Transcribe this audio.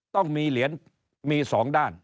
ต้องมีเหรียญมี๒ด้าน